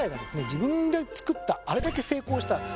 自分で創ったあれだけ成功したＡｐｐｌｅ。